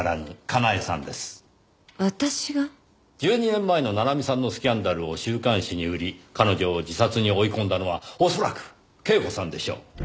１２年前の七海さんのスキャンダルを週刊誌に売り彼女を自殺に追い込んだのは恐らく恵子さんでしょう。